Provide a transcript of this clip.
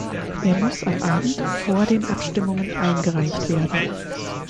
Er muss am Abend vor den Abstimmungen eingereicht werden.